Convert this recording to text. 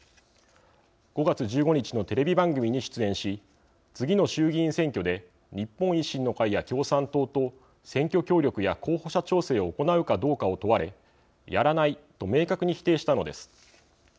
５月１５日のテレビ番組に出演し次の衆議院選挙で日本維新の会や共産党と選挙協力や候補者調整を行うかどうかを問われやらないと明確に否定したのです。